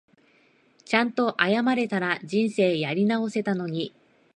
ちゃんと謝れたら人生やり直せたのに